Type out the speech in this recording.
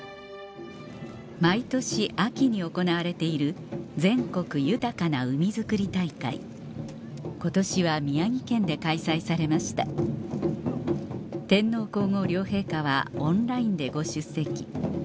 毎年秋に行われている今年は宮城県で開催されました天皇皇后両陛下はオンラインでご出席